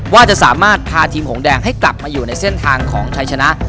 ว่าจะสามารถพาทีมหงแดงให้กลับมาอยู่ในเส้นทางของชัยชนะ